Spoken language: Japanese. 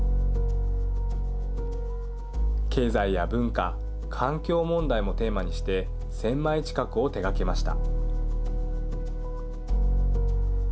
経済や文化環境問題もテーマにして１０００枚近くを手がけました。